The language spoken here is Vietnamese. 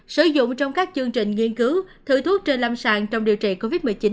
sử dụng trong các chương trình nghiên cứu thử thuốc trên lâm sàng trong điều trị covid một mươi chín